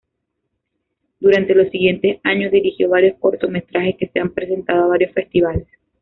Durante los siguientes años, dirigió varios cortometrajes que se han presentado a varios festivales.